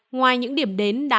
ngoài những điểm đến đã mở